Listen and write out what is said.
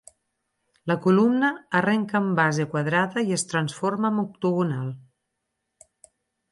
La columna arrenca amb base quadrada i es transforma amb octogonal.